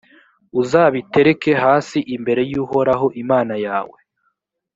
uzabitereke hasi imbere y’uhoraho imana yawe,